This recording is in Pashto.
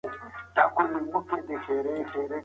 ډیزاین باید د کاروونکي لپاره واضح او ساده وي.